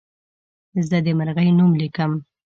زه د مرغۍ نوم لیکم.